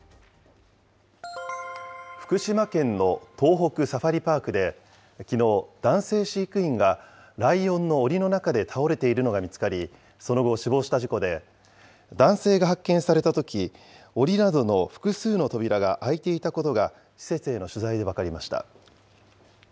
福島県の東北サファリパークできのう、男性飼育員がライオンのおりの中で倒れているのが見つかり、その後、死亡した事故で、男性が発見されたとき、おりなどの複数の扉が開いていたことが、施設への取材で分かりました。